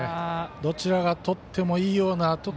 どちらがとってもいいような。